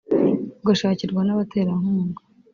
ugashakirwa n’abaterankunga